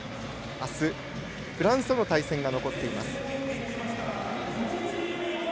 あす、フランスとの対戦が残っています。